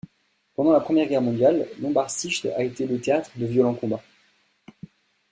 Pendant la Première Guerre mondiale, Lombardsijde a été le théâtre de violents combats.